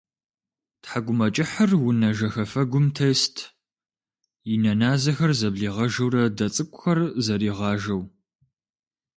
ТхьэкӀумэкӀыхьыр унэ жэхэфэгум тест, и нэ назэхэр зэблигъэжурэ дэ цӀыкӀухэр зэригъажэу.